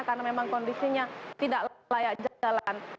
karena memang kondisinya tidak layak jalan